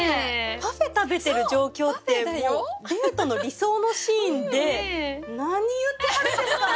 パフェ食べてる状況ってもうデートの理想のシーンで何言ってはるんですか！？